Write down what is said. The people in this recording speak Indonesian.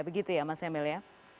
begitu ya mas emil ya